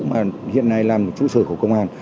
mà hiện nay là một trụ sở của công an